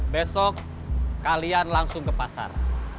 besok kalian langsung ke pasar